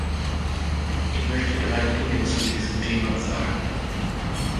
Ich möchte drei Dinge zu diesem Thema sagen.